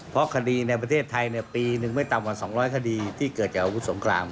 เพราะคดีในประเทศไทยปีหนึ่งไม่ต่ำกว่า๒๐๐คดีที่เกิดจากอาวุธสงคราม